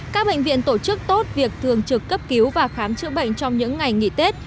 các bệnh viện tổ chức tốt việc thường trực cấp cứu và khám chữa bệnh trong những ngày nghỉ tết